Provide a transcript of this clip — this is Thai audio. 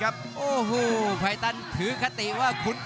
รับทราบบรรดาศักดิ์